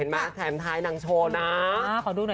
เห็นไหมแถมท้ายหนังโชว์นะ